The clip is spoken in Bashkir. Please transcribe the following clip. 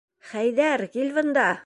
Хәйҙәр, кил бында!